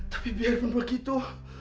tapi biarpun begitu